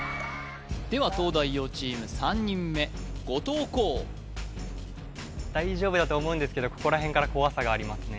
では東大王チーム３人目後藤弘大丈夫だとは思うんですけどここら辺から怖さがありますね